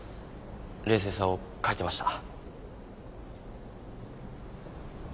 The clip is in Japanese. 冷静さを欠いてました。